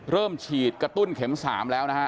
เริ่มฉีดกระตุ้นเข็ม๓แล้วนะฮะ